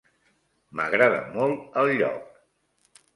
M'agrada molt el lloc.